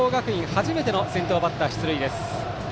初めての先頭バッター出塁です。